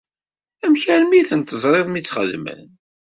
Amek armi ten-teẓriḍ mi tt-xedmen?